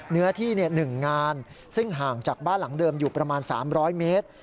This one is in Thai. เนื้อที่๑งานซึ่งห่างจากบ้านหลังเดิมอยู่ประมาณ๓๐๐เมตร